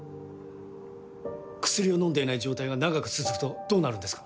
薬を飲んでいない状態が長く続くとどうなるんですか？